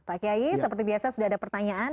pak kiai seperti biasa sudah ada pertanyaan